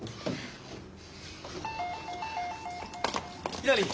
ひらり！